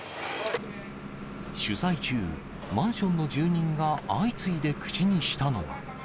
取材中、マンションの住人が相次いで口にしたのは。